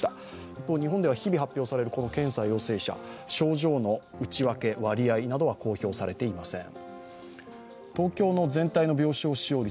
一方、日本では日々発表される検査陽性者症状の内訳、割合などは公表されていません。